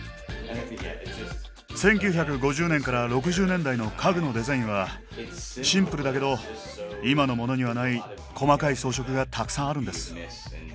１９５０年から６０年代の家具のデザインはシンプルだけど今のモノにはない細かい装飾がたくさんあるんです。